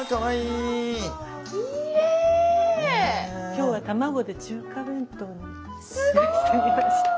今日は卵で中華弁当にしてみました。